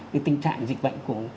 cái tình trạng dịch bệnh của